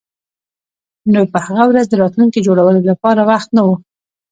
نو په هغه ورځ د راتلونکي جوړولو لپاره وخت نه و